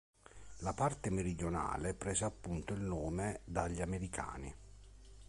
La parte meridionale prese appunto il nome dagli Americani.